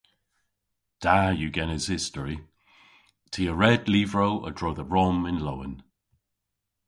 Da yw genes istori. Ty a red lyvrow a-dro dhe Rom yn lowen.